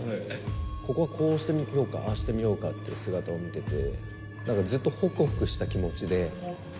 ここはこうしてみようか、ああしてみようかっていう姿を見てて、なんか、ずっとほくほくした気持ちで。